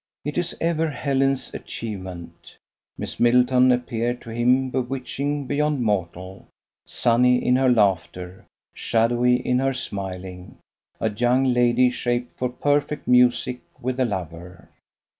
It is ever Helen's achievement. Miss Middleton appeared to him bewitching beyond mortal; sunny in her laughter, shadowy in her smiling; a young lady shaped for perfect music with a lover.